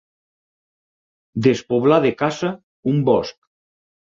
Despoblar de caça un bosc.